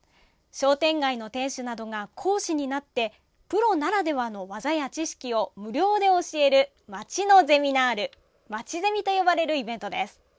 商店街の店主などが講師になってプロならではの技や知識を無料で教える街のゼミナール、まちゼミと呼ばれるイベントです。